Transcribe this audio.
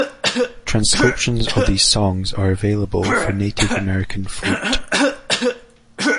Transcriptions of these songs are available for Native American flute.